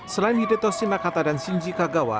selain hideto shinakata dan shinji kagawa